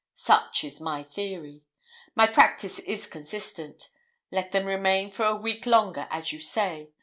Such is my theory. My practice is consistent. Let them remain for a week longer, as you say.